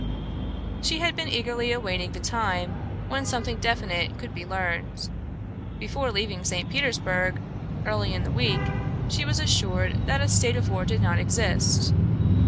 She had been eagerly awaiting the time when something definite could be learned. Before leaving St. Petersburg early in the week she was assured that a state of war did not exist.